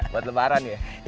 buat lebaran ya